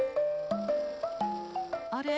あれ？